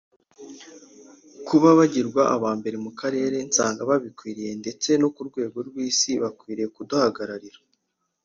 Kuba bagirwa aba mbere mu Karere nsanga babikwiriye ndetse no ku rwego rw’isi bagakwiriye kuduhagararira”